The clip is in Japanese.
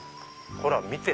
ほら見て！